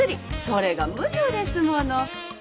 それが無料ですもの。